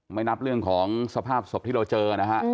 ไม่นับเรื่องของสภาพศพที่เราเจอนะฮะ